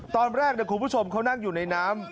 ตอนแรกคุณผู้ชมเขานั่งอยู่ในน้ำ